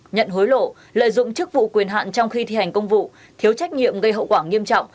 nhận hối lộ lợi dụng chức vụ quyền hạn trong khi thi hành công vụ thiếu trách nhiệm gây hậu quả nghiêm trọng